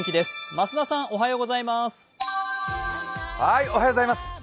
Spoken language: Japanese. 増田さん、おはようございます。